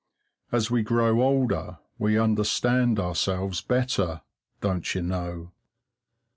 As we grow older we understand ourselves better, don't you know?